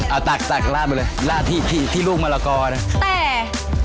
เอาตักลาดไปเลยลาดที่ลูกมะละกอน่ะ